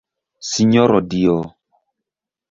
Sinjoro dio!